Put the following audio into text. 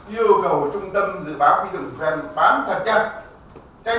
yêu cầu trung tâm dự báo quy đổ bán thật chặt tranh thủ các dự báo của các trung tâm